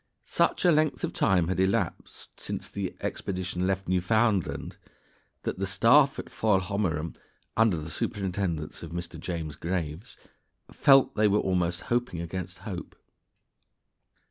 ] Such a length of time had elapsed since the expedition left Newfoundland that the staff at Foilhommerum, under the superintendence of Mr. James Graves, felt they were almost hoping against hope.